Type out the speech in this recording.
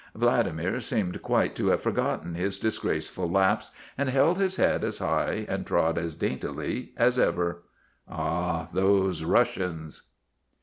Vladimir seemed quite to have forgotten his disgraceful lapse, and held his head as high and trod as daintily as ever. Ah, those Russians